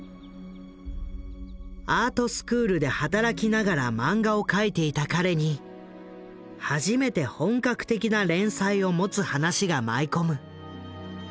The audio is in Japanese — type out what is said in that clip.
アートスクールで働きながらマンガを描いていた彼に初めて本格的な連載を持つ話が舞い込む。